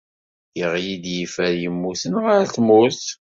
Yeɣli-d yifer yemmuten ɣer tmurt.